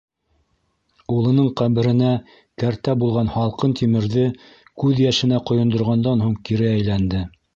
Улының ҡәберенә кәртә булған һалҡын тимерҙе күҙ йәшенә ҡойондорғандан һуң, кире әйләнде.